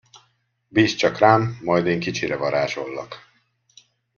Bízd csak rám, majd én kicsire varázsollak!